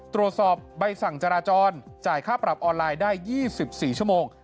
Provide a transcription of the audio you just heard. ตรวจสอบใบสั่งจราจรจ่ายค่าปรับออนไลน์ได้๒๔ชั่วโมง